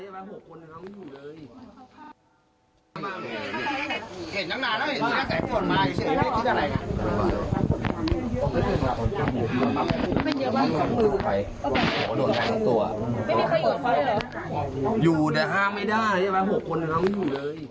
ไม่มีคนอยู่อยู่แต่ห้ามไม่ได้บ้านหกคนเอายังเอาไม่อยู่เลย